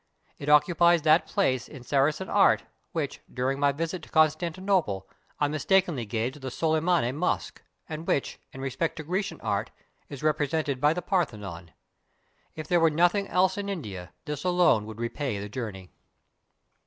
It occupies that place in Sara cenic art, which, during my visit to Constantinople, I mistakenly gave to the Sol}'manye ]\Iosque, and which, in respect to Grecian art, is represented by the Parthe non. If there were nothing else in India, this alone would repay the journey.